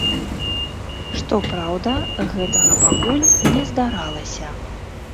Што праўда, гэтага пакуль не здаралася.